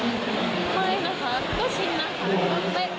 เร็วไปมีงานบุญค่ะแต่วันนี้ไม่ใช่นานที่เงิน